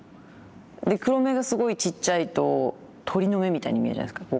で黒目がすごいちっちゃいと鳥の目みたいに見えるじゃないですか。